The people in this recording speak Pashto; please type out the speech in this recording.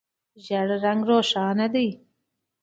ژېړ رنګ روښانه دی.